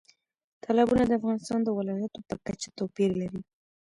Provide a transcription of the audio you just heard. تالابونه د افغانستان د ولایاتو په کچه توپیر لري.